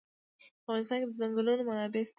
په افغانستان کې د ځنګلونه منابع شته.